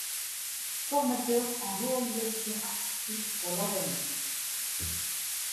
Formateur en Réalisation Artistique pour l'organisme.